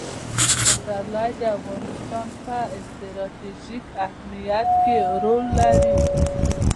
پسرلی د افغانستان په ستراتیژیک اهمیت کې رول لري.